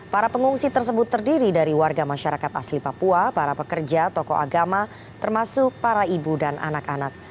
para pengungsi tersebut terdiri dari warga masyarakat asli papua para pekerja tokoh agama termasuk para ibu dan anak anak